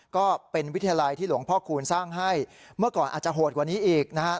ก็เป็นวิทยาลัยที่หลวงพ่อคูณสร้างให้เมื่อก่อนอาจจะโหดกว่านี้อีกนะฮะ